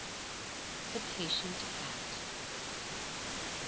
THE PATIENT CAT.